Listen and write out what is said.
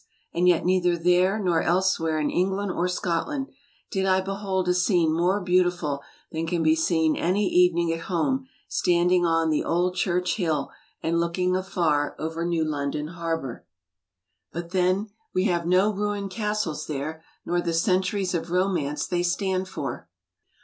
And yet neither there nor elsewhere in Eng land or Scotland, did I behold a scene more beautiful than can be seen any evening at home, standing on the "old church hill" and looking afar over New London Harbor. D,i„Mb, Google But then we have no ruined castles there, nor the centu ries of romance they stand for!